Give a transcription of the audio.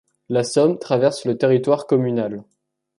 La Somme traverse le territoire communal.